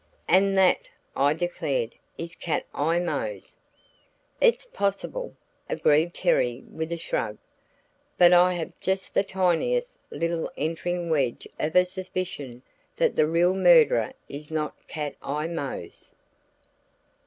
"And that," I declared, "is Cat Eye Mose." "It's possible," agreed Terry with a shrug. "But I have just the tiniest little entering wedge of a suspicion that the real murderer is not Cat Eye Mose."